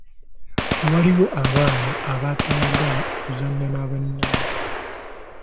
Waliwo abaana abataagala kuzannya ne bannaabwe.